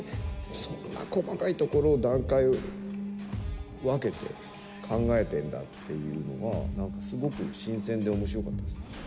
そんな細かいところの段階を分けて、考えてるんだっていうのが、すごく新鮮でおもしろかったです